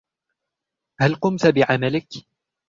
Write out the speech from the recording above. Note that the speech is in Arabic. هل قمت بعملك؟